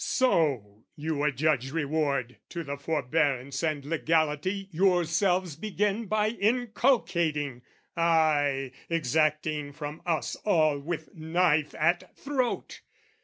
So you adjudge reward "To the forbearance and legality "Yourselves begin by inculcating ay, "Exacting from us all with knife at throat!